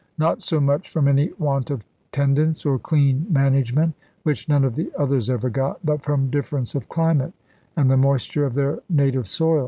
Not so much from any want of tendance or clean management, which none of the others ever got; but from difference of climate, and the moisture of their native soil.